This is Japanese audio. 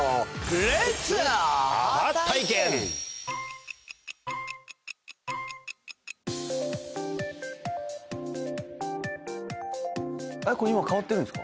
えっこれ今変わってるんですか？